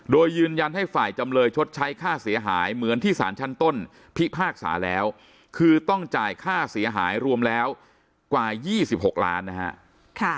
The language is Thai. โดยยืนยันให้ฝ่ายจำเลยชดใช้ค่าเสียหายเหมือนที่สารชั้นต้นพิพากษาแล้วคือต้องจ่ายค่าเสียหายรวมแล้วกว่า๒๖ล้านนะฮะ